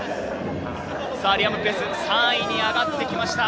リアム・ペース、３位に上がってきました。